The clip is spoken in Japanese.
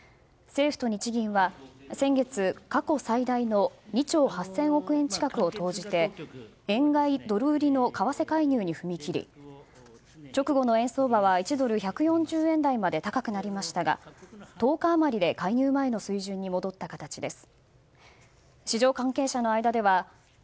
政府と日銀は先月過去最大の２兆８０００億円近くを投じて円買いドル売りの為替介入に踏み切り直後の円相場は１ドル＝１４０円台まで高くなりましたが１０日あまりで介入前の水準に戻った形です。